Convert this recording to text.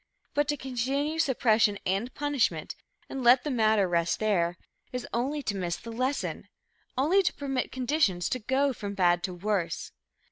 But to continue suppression and punishment, and let the matter rest there, is only to miss the lesson only to permit conditions to go from bad to worse.